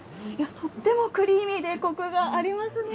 とってもクリーミーで、こくがありますね。